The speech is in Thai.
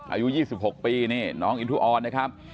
อายุ๒๖ปีนี่น้องอินทุออนนะครับ